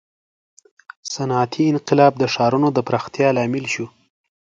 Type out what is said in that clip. • صنعتي انقلاب د ښارونو د پراختیا لامل شو.